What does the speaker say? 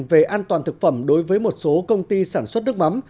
về an toàn thực phẩm đối với một số công ty sản xuất nước mắm